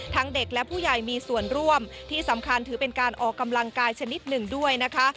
เด็กและผู้ใหญ่มีส่วนร่วมที่สำคัญถือเป็นการออกกำลังกายชนิดหนึ่งด้วยนะคะ